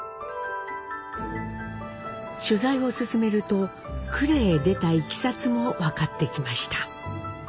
取材を進めると呉へ出たいきさつも分かってきました。